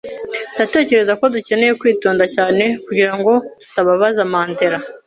Ndatekereza ko dukeneye kwitonda cyane kugirango tutababaza Mandera.